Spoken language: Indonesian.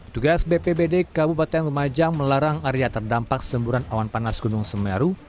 tugas bpbd kabupaten lumajang melarang area terdampak semburan awan panas gunung semeru